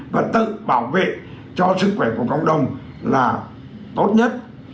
và tự bảo vệ cho sức khỏe của cộng đồng là tốt nhất